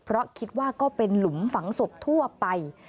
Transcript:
เพราะคิดว่าก็เป็นหลุมฝังศพทั่วไป